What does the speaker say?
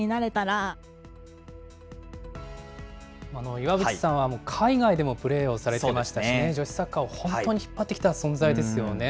岩渕さんは海外でもプレーをされていましたしね、女子サッカーを本当に引っ張ってきた存在ですよね。